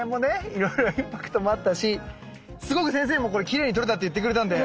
いろいろインパクトもあったしすごく先生もこれきれいに撮れたって言ってくれたんで。